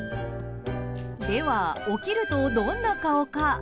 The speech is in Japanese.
では起きると、どんなお顔か。